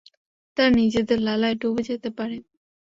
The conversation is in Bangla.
তারা নিজেদের লালায় ডুবে যেতে পারে।